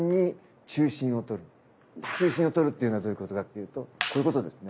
中心をとるっていうのはどういうことかっていうとこういうことですね。